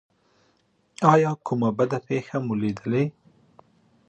ایا کومه بده پیښه مو لیدلې؟